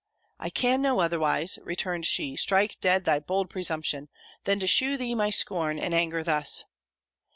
"I can no otherwise," returned she, "strike dead thy bold presumption, than to shew thee my scorn and anger thus!"